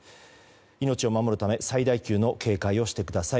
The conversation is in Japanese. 命を守るため最大級の警戒をしてください。